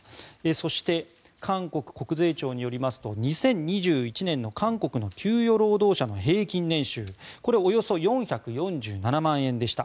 そして、韓国国税庁によりますと２０２１年の韓国の給与労働者の平均年収これはおよそ４４７万円でした。